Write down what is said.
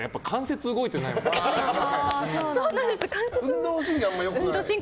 運動神経あまり良くない？